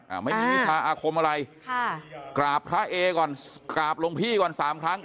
อ่าไม่มีวิชาอาคมอะไรค่ะกราบพระเอก่อนกราบหลวงพี่ก่อนสามครั้ง